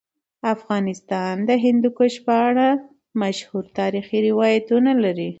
افغانستان د هندوکش په اړه مشهور تاریخی روایتونه لري.